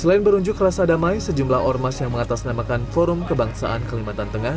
selain berunjuk rasa damai sejumlah ormas yang mengatasnamakan forum kebangsaan kalimantan tengah